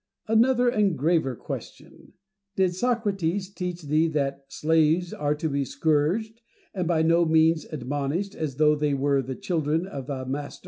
Another and a graver question. Did Socrates teach thee that slaves are to be scourged, and by no means admonished as though they were the children of the master %" Plato.